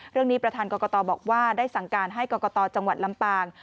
ประธานกรกตบอกว่าได้สั่งการให้กรกตจังหวัดลำปาง